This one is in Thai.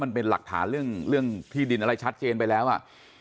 มันเป็นหลักฐานเรื่องที่ดินอะไรชัดเจนไปแล้วอ่ะ